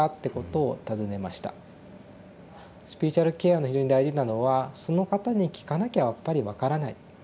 スピリチュアルケアで非常に大事なのはその方に聞かなきゃやっぱり分からない。